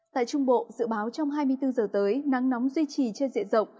tại trung bộ dự báo trong hai mươi bốn giờ tới nắng nóng duy trì trên diện rộng